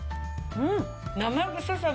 うん。